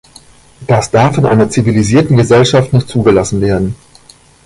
Das darf in einer zivilisierten Gesellschaft nicht zugelassen werden.